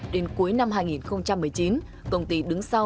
đến cuối năm hai nghìn một mươi chín công ty đứng sau